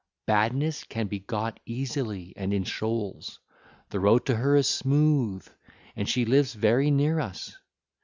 Badness can be got easily and in shoals: the road to her is smooth, and she lives very near us.